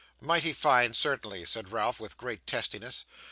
'Mighty fine certainly,' said Ralph, with great testiness.